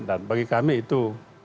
dan bagi kami itu